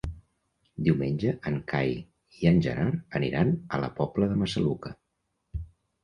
Diumenge en Cai i en Gerard aniran a la Pobla de Massaluca.